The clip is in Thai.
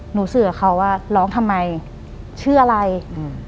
หนูสื่อเขาว่าร้องทำไมเชื่ออะไรอืม